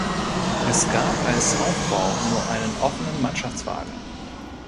Es gab als Aufbau nur einen offenen Mannschaftswagen.